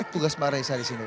tugas marah saya disini kan